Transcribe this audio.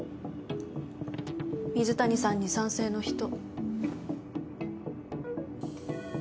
水谷さんに賛成の人？